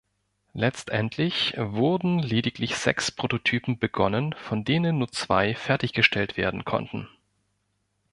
Letztendlich wurden lediglich sechs Prototypen begonnen, von denen nur zwei fertiggestellt werden konnten.